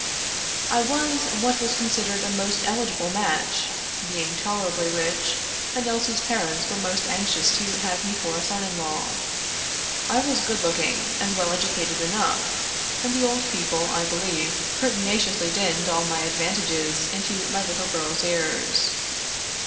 I was what was considered a most eligible match, being tolerably rich, and Elsie's parents were most anxious to have me for a son in law. I was good looking and well educated enough, and the old people, I believe, pertinaciously dinned all my advantages into my little girl's ears.